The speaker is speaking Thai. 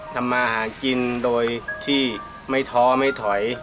ทำมาหากินโดยที่ไม่ท้อไม่ถอย